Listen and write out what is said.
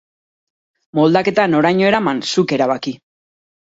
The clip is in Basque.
Moldaketa noraino eraman, zuk erabaki!